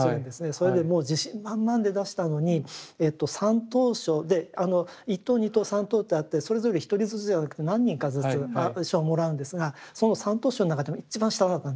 それでもう自信満々で出したのに３等賞で１等２等３等ってあってそれぞれ１人ずつではなくて何人かずつ賞をもらうんですがその３等賞の中でも一番下だったんですね。